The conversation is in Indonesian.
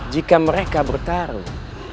jika mereka bertarung